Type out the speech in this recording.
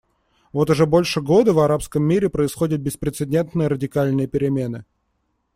Вот уже больше года в арабском мире происходят беспрецедентные радикальные перемены.